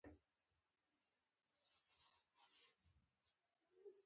طبیعي پیښې مقابله غواړي